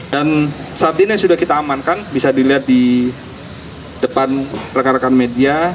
dan saat ini sudah kita amankan bisa dilihat di depan rekan rekan media